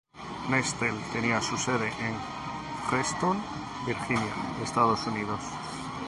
Nextel tenía su sede en Reston, Virginia, Estados Unidos.